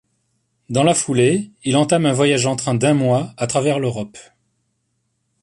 Dans la foulée, il entame un voyage en train d'un mois à travers l'Europe.